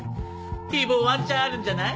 ヒー坊ワンチャンあるんじゃない？